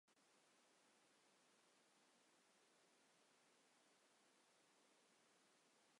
ভারতে এটির প্রসার প্রকৃতিগতভাবে ব্যাপক আকারে হয়েছে।